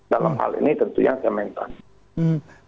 dalam hal ini tentunya saya mentah